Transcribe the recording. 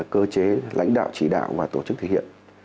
cơ chế lãnh đạo chỉ đạo và tổ chức thực hiện